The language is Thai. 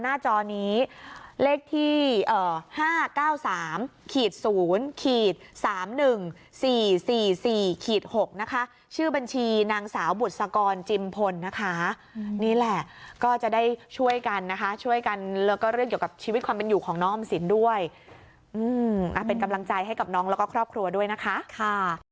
จอนี้เลขที่๕๙๓๐๓๑๔๔๔๖นะคะชื่อบัญชีนางสาวบุษกรจิมพลนะคะนี่แหละก็จะได้ช่วยกันนะคะช่วยกันแล้วก็เรื่องเกี่ยวกับชีวิตความเป็นอยู่ของน้องออมสินด้วยเป็นกำลังใจให้กับน้องแล้วก็ครอบครัวด้วยนะคะค่ะ